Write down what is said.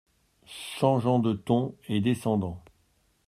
Changeant de ton et descendant.